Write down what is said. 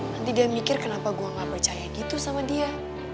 nanti dia mikir kenapa gue gak percaya gitu sama dia